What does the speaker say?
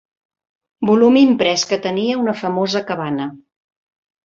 Volum imprès que tenia una famosa cabana.